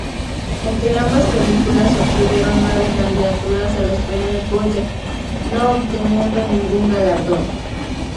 Entre ambas películas obtuvieron nueve candidaturas a los Premios Goya, no obteniendo ningún galardón.